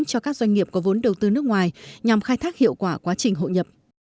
cho các doanh nghiệp có vốn đầu tư nước ngoài nhằm khai thác hiệu quả quá trình hội nhập